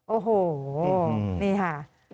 โอ้โหนี่ค่ะ